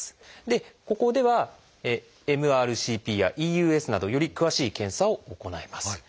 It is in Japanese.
でここではＭＲＣＰやＥＵＳなどより詳しい検査を行います。